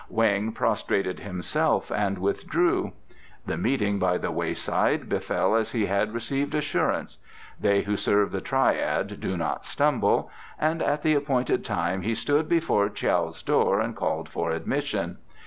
Weng prostrated himself and withdrew. The meeting by the wayside befell as he had received assurance they who serve the Triad do not stumble and at the appointed time he stood before Tiao's door and called for admission.